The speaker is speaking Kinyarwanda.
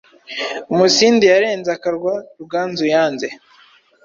Umusindi yarenze akarwa. Ruganzu yanze